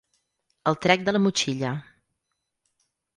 El trec de la motxilla.